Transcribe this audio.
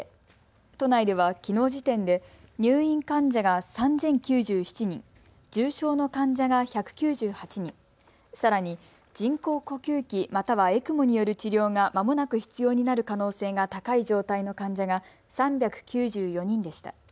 都内ではきのう時点で入院患者が３０９７人、重症の患者が１９８人、さらに人工呼吸器、またはＥＣＭＯによる治療がまもなく必要になる可能性が高い状態の患者が３９４人でした。